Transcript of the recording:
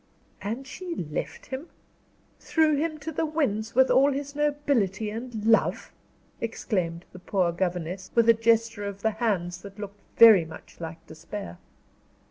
"And she left him threw him to the winds with all his nobility and love!" exclaimed the poor governess, with a gesture of the hands that looked very much like despair.